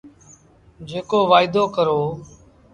جيڪو وآئيدو ڪرو۔